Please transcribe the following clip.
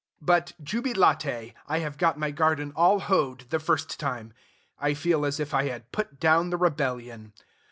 But, jubilate, I have got my garden all hoed the first time! I feel as if I had put down the rebellion.